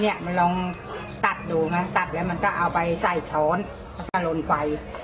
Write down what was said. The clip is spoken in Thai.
ยังไงนะคะฝากซะ